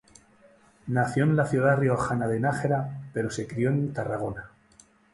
Nació en la ciudad riojana de Nájera, pero se crió en Tarragona.